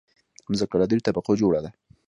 مځکه له دریو طبقو جوړه ده.